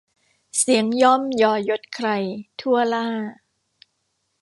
เสียงย่อมยอยศใคร ทั่วหล้า